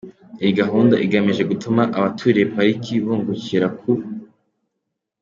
iyi gahunda igamije gutuma abaturiye pariki bungukira ku